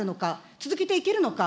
続けていけるのか。